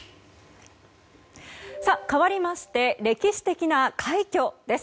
さあ、かわりまして歴史的な快挙です。